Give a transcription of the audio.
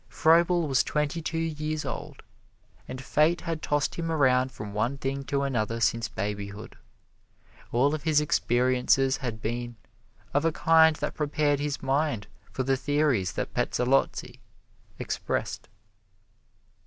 Froebel was twenty two years old, and Fate had tossed him around from one thing to another since babyhood. All of his experiences had been of a kind that prepared his mind for the theories that Pestalozzi expressed.